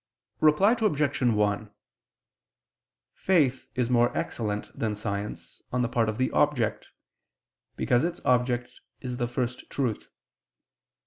Reply Obj. 1: Faith is more excellent than science, on the part of the object, because its object is the First Truth.